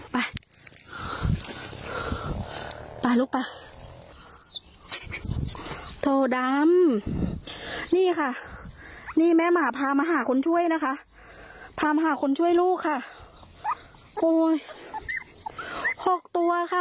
ไปลูกป่ะโถดำนี่ค่ะนี่แม่หมาพามาหาคนช่วยนะคะพามาหาคนช่วยลูกค่ะโอ้ยหกตัวค่ะ